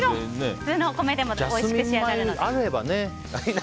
普通のお米でもおいしく仕上がります。